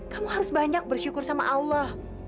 kamu harus banyak bersyukur sama allah